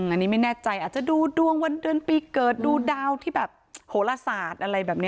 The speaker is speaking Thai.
อันนี้ไม่แน่ใจอาจจะดูดวงวันเดือนปีเกิดดูดาวที่แบบโหลศาสตร์อะไรแบบนี้